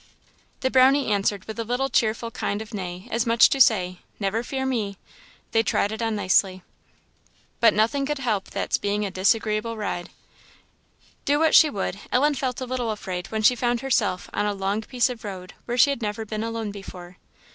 The Brownie answered with a little cheerful kind of neigh, as much as to say, Never fear me! They trotted on nicely. But nothing could help that's being a disagreeable ride. Do what she would, Ellen felt a little afraid when she found herself on a long piece of road where she had never been alone before.